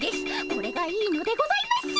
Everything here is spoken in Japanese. これがいいのでございます！